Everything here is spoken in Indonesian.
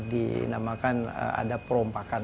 dinamakan ada perompakan